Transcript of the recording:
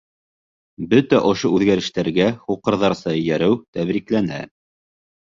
Бөтә ошо үҙгәрештәргә һуҡырҙарса эйәреү тәбрикләнә.